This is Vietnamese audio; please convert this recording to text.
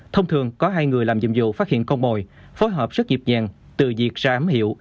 thông thường có hai người làm dụng dụ phát hiện con mồi phối hợp rất dịp nhàng từ diệt ra ám hiệu